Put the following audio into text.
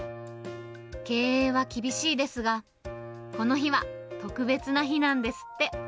経営は厳しいですが、この日は特別な日なんですって。